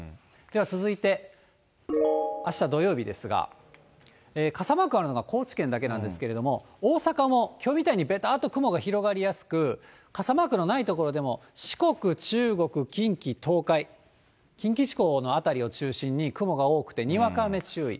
では続いてあした土曜日ですが、傘マークあるのは高知県だけなんですけれども、大阪もきょうみたいにべたーっと雲が広がりやすく、傘マークのない所でも、四国、中国、近畿、東海、近畿地方の辺りを中心に雲が多くて、にわか雨注意。